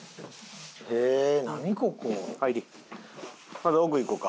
まず奥行こうか。